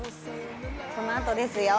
「このあとですよ」